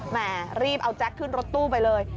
แม่รีบเอาแจ๊คขึ้นรถตู้ไปเลย